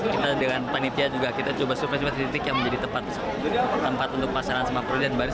kita dengan panitia juga kita coba supaya tempat titik yang menjadi tempat untuk pasaran semapur dan baris